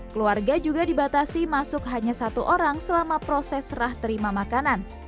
keluarga juga dibatasi masuk hanya satu orang selama proses serah terima makanan